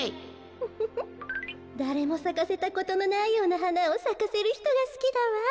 ウフフだれもさかせたことのないようなはなをさかせるひとがすきだわ。